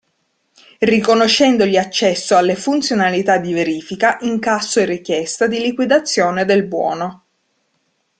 Riconoscendogli accesso alle funzionalità di verifica, incasso e richiesta di liquidazione del buono.